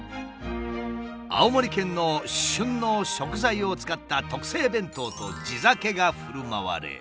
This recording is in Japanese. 青森県の旬の食材を使った特製弁当と地酒がふるまわれ。